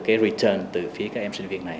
cái return từ phía các em sinh viên này